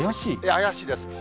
怪しいです。